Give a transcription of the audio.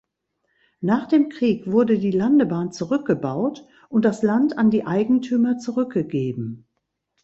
Nach dem Krieg wurde die Landebahn zurückgebaut und das Land an die Eigentümer zurückgegeben.